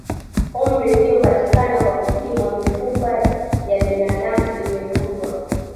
Umri uliopatikana kwa kupimwa mifupa ya kibinadamu iliyokutwa